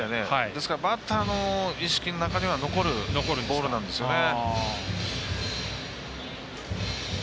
ですからバッターの意識の中には残るボールなんですよね。